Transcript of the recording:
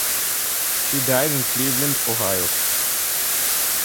She died in Cleveland, Ohio.